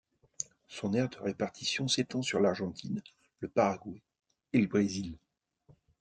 Son aire de répartition s'étend sur l'Argentine, le Paraguay et le Brésil.